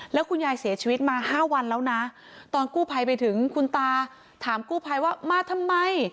แล้วคุณยายเสียชีวิตมา๕วันแล้วนะตอนกู้ภัยไปถึงคุณตาถามกู้ภัยว่ามาทำไม